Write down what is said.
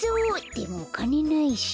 でもおかねないし。